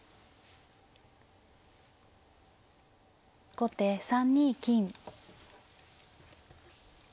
後手３二金。